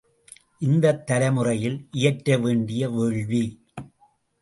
இந்தத் தலைமுறையில் இயற்ற வேண்டிய வேள்வி!